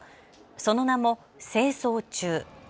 その名も清走中。